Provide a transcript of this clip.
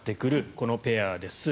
このペアです。